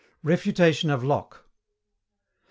] REFUTATION OF LOCKE.